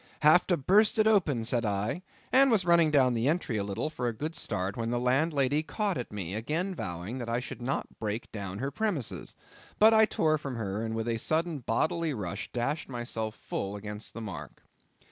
"Have to burst it open," said I, and was running down the entry a little, for a good start, when the landlady caught at me, again vowing I should not break down her premises; but I tore from her, and with a sudden bodily rush dashed myself full against the mark.